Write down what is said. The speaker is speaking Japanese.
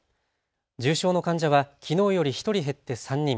重症の患者はきのうより１人減って３人。